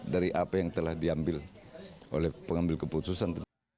dari apa yang telah diambil oleh pengambil keputusan